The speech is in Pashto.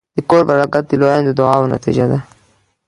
د کور برکت د لویانو د دعاوو نتیجه ده.